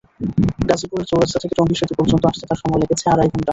গাজীপুর চৌরাস্তা থেকে টঙ্গী সেতু পর্যন্ত আসতে তাঁর সময় লেগেছে আড়াই ঘণ্টা।